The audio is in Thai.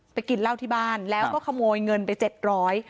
กินเหล้าที่บ้านแล้วก็ขโมยเงินไปเจ็ดร้อย